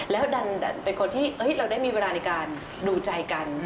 แล้วดันเป็นคนที่เราได้มีเวลาในการดูใจกัน